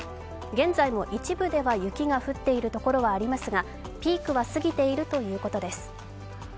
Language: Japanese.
現在も一部では雪が降っているところはありますがピークは過ぎているということです。